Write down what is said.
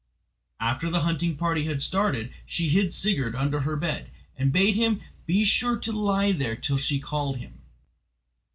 After the hunting party had started she hid Sigurd under her bed, and bade him be sure to lie there till she called him.